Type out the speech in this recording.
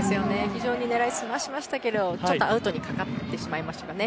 非常に狙い澄ましましたけどちょっとアウトにかかってしまいましたかね。